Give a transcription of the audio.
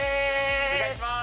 お願いします